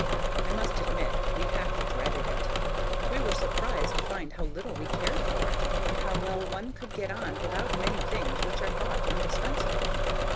I must admit we half dreaded it: we were surprised to find how little we cared for it, and how well one can get on without many things which are thought indispensable.